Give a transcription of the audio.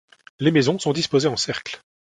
Les maisons sont disposées en cercle.